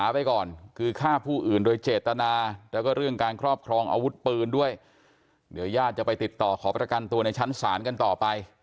และก็เรื่องการครอบครองอาวุธปืนด้วยเดี๋ยวย่าจะไปติดต่อขอบพันธการตัวในชั้นศาลกันต่อไป